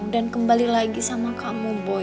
dan kembali lagi sama kamu boy